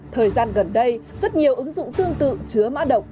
thời gian gần đây rất nhiều ứng dụng tương tự chứa mã độc